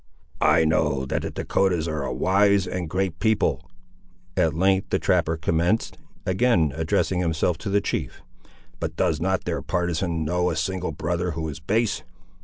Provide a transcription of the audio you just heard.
"I know that the Dahcotahs are a wise and great people," at length the trapper commenced, again addressing himself to the chief; "but does not their partisan know a single brother who is base?"